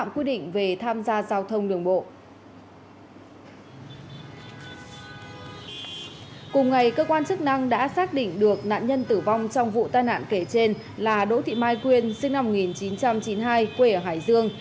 cùng ngày cơ quan chức năng đã xác định được nạn nhân tử vong trong vụ tai nạn kể trên là đỗ thị mai quyên sinh năm một nghìn chín trăm chín mươi hai quê ở hải dương